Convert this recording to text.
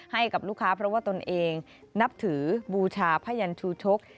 ให้กับลูกค้าเพราะว่าตนเองนับถือบูชาพยันชูชก